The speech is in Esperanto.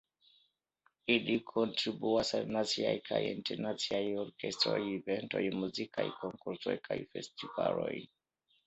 Ili kontribuas al naciaj kaj internaciaj orkestroj, eventoj, muzikaj konkursoj kaj festivaloj.